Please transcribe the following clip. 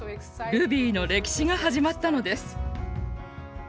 ルビーの歴史が始まったのです。